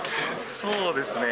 そうですね。